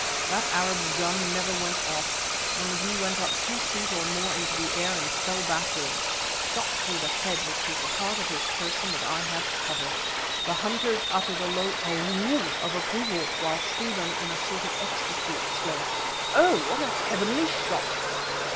That Arab's gun never went off. Only he went up two feet or more into the air and fell backwards, shot through the head which was the part of his person that I had covered. The hunters uttered a low "Ow!" of approval, while Stephen, in a sort of ecstasy, exclaimed: "Oh! what a heavenly shot!"